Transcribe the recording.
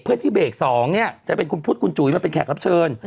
เพื่อที่เบรก๒เนี่ยจะเป็นคุณพุทธคุณจุ๋ยมาเป็นแขกรับเชิญ